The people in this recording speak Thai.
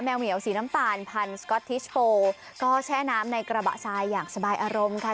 แมวเหนียวสีน้ำตาลพันก็แช่น้ำในกระบะทรายอย่างสบายอารมณ์ค่ะ